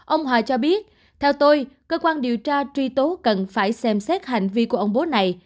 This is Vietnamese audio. ông hòa cho biết theo tôi cơ quan điều tra truy tố cần phải xem xét hành vi của ông bố này